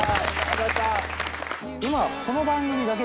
今。